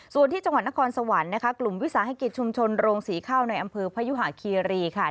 ส่วนที่จังหวัดนครสวรรค์นะคะกลุ่มวิสาหกิจชุมชนโรงศรีข้าวในอำเภอพยุหาคีรีค่ะ